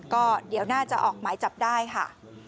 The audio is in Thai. ก็เดี๋ยวน่าจะออกหมายจับได้ค่ะ